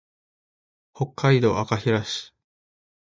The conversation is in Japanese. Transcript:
北海道赤平市